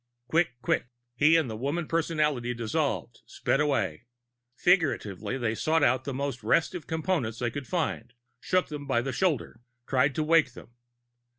Quick, quick, he and the woman personality dissolved, sped away. Figuratively they sought out the most restive Components they could find, shook them by the shoulder, tried to wake them.